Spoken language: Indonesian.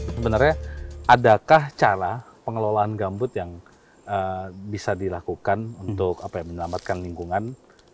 sebenarnya adakah cara pengelolaan gambut yang bisa dilakukan untuk menyelamatkan lingkungan